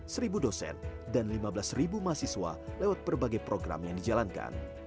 seribu dosen dan lima belas ribu mahasiswa lewat berbagai program yang dijalankan